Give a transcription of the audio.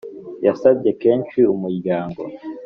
yasabye kenshi umuryango